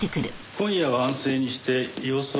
今夜は安静にして様子を見ましょう。